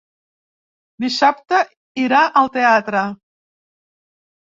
Dissabte irà al teatre.